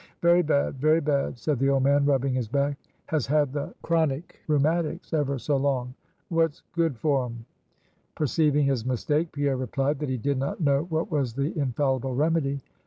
"Very bad, very bad!" said the old man, rubbing his back; "has had the chronic rheumatics ever so long; what's good for 'em?" Perceiving his mistake, Pierre replied that he did not know what was the infallible remedy.